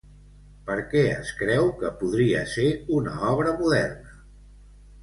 Per què es creu que podria ser una obra moderna?